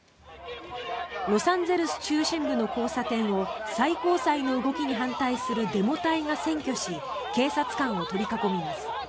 ロサンゼルス中心部の交差点を最高裁の動きに反対するデモ隊が占拠し警察官を取り囲みます。